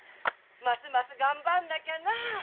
ますます頑張んなきゃなあ！